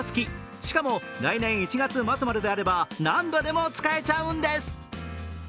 しかも来年１月末までであれば何度でも使えちゃうんです。